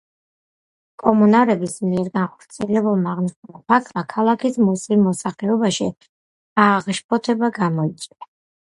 კომუნარების მიერ განხორციელებულმა აღნიშნულმა ფაქტმა ქალაქის მუსლიმ მოსახლეობაში აღშფოთება გამოიწვია.